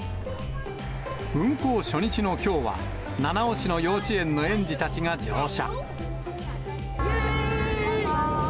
運行初日のきょうは、七尾市の幼稚園の園児たちが乗車。